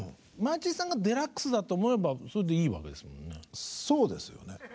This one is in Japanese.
マーチンさんがデラックスだと思えばそれでいいわけですもんね。